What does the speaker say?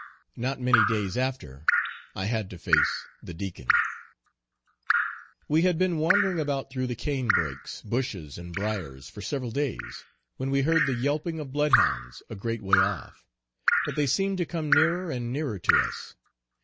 Not many days after I had to face the Deacon. We had been wandering about through the cane brakes, bushes, and briers, for several days, when we heard the yelping of blood hounds, a great way off, but they seemed to come nearer and nearer to us.